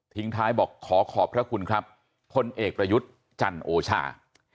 ท้ายบอกขอขอบพระคุณครับพลเอกประยุทธ์จันโอชา